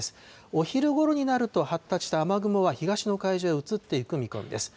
お昼ごろになると、発達した雨雲は東の海上へ移っていく見込みです。